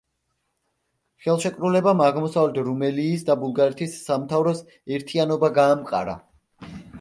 ხელშეკრულებამ აღმოსავლეთ რუმელიის და ბულგარეთის სამთავროს ერთიანობა გაამყარა.